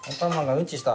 うんちした。